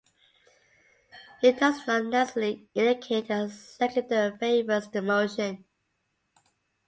It does not necessarily indicate that the seconder favors the motion.